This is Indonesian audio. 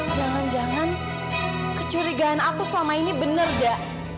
jangan jangan kecurigaan aku selama ini benar dak